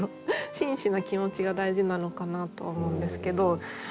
真摯な気持ちが大事なのかなとは思うんですけど。